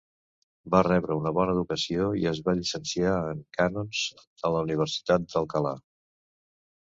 Va rebre una bona educació i es va llicenciar en cànons, a la Universitat d'Alcalà.